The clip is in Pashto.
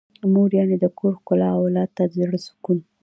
مور يعنې د کور ښکلا او اولاد ته د زړه سکون.